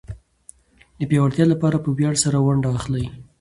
د پياوړتيا لپاره په وياړ سره ونډه اخلي.